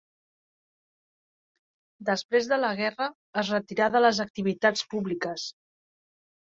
Després de la guerra, es retirà de les activitats públiques.